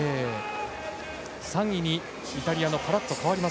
３位にイタリアのパラッツォ。